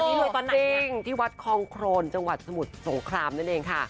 จริงที่วัดคองโครนจังหวัดสมุทรสงครามนั่นเองค่ะ